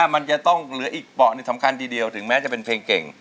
มันจะต้องเหลืออีกเบาะหนึ่งสำคัญทีเดียวถึงแม้จะเป็นเพลงเก่ง